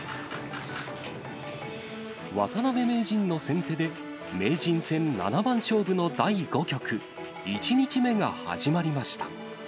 渡辺名人の先手で、名人戦七番勝負の第５局、１日目が始まりました。